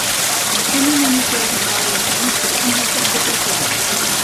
Tenen un hotel rural a Tivissa envoltat de presseguers.